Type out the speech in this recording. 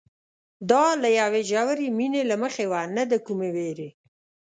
دا له یوې ژورې مینې له مخې وه نه د کومې وېرې.